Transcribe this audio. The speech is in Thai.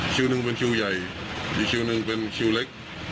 หนึ่งเป็นคิวใหญ่อีกคิวหนึ่งเป็นคิวเล็ก